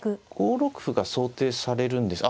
５六歩が想定されるんです。